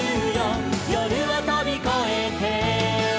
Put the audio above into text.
「夜をとびこえて」